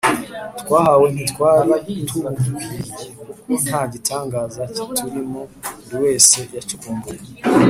twahawe ntitwari tubukwiye kuko nta gitangaza kiturimo(buri wese yicukumbuye